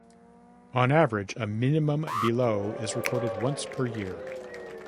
On average, a minimum below is recorded once per year.